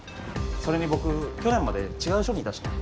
それに僕去年まで違う署にいたしね。